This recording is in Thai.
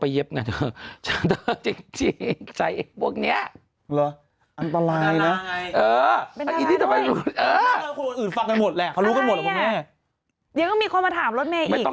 ยังมีคนมาถามรถแม่อีก